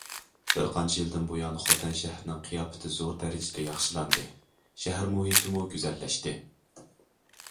بىر قانچە يىلدىن بۇيان خوتەن شەھىرىنىڭ قىياپىتى زور دەرىجىدە ياخشىلاندى، شەھەر مۇھىتىمۇ گۈزەللەشتى.